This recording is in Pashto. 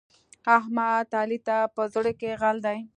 احمد؛ علي ته په زړه کې غل دی.